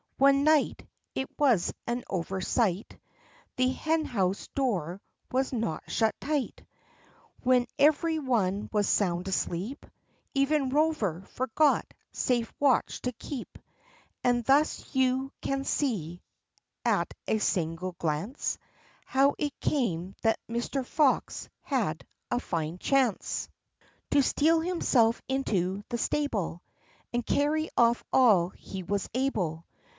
One night — it was an oversight — The hen house door was not shut tight; When every one was sound asleep, — Even Eover forgot safe watch to keep, — And thus you can see, at a single glance, How it came that Mr. Fox had a fine chance 16 THE LIFE AND ADVENTURES To steal himself into the stable, And carry off all he was able.